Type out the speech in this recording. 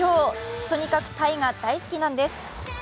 とにかくタイが大好きなんです。